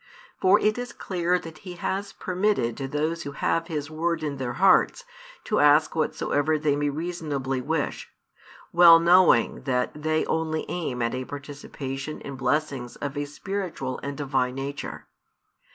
For it is clear that He has permitted to those who have His Word in their hearts to ask whatsoever they may reasonably wish; well knowing that they only aim at a participation in blessings of a spiritual and Divine nature.